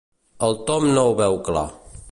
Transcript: El Tom no ho veu clar.